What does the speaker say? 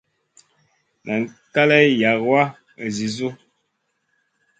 Nay kalèh yagoua zi suʼu.